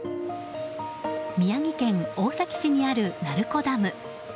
宮城県大崎市にある鳴子ダム。